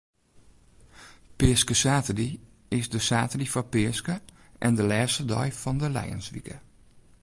Peaskesaterdei is de saterdei foar Peaske en de lêste dei fan de lijenswike.